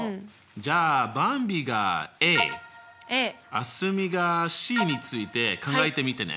じゃあばんびが蒼澄がｃについて考えてみてね。